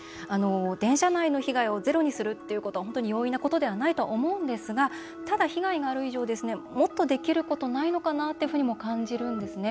電車内の被害をゼロにするっていうことは本当に容易なことではないと思うんですがただ、被害がある以上ですねもっとできることないのかなっていうふうにも感じるんですね。